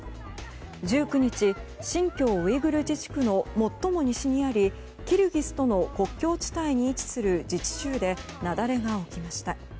１９日、新疆ウイグル自治区の最も西にあり、キルギスとの国境地帯に位置する自治州で雪崩が起きました。